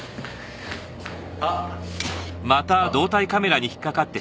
あっ。